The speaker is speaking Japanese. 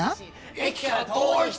駅から遠いし。